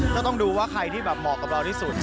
ต้องดูว่าใครที่แบบเหมาะกับเราที่สุด